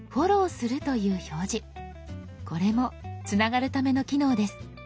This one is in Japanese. これもつながるための機能です。